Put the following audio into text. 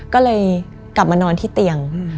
ก็เลยกลับมานอนที่เตียง